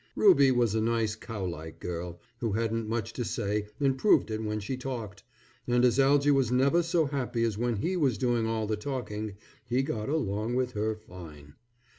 Ruby was a nice cow like girl, who hadn't much to say and proved it when she talked, and as Algy was never so happy as when he was doing all the talking, he got along with her fine.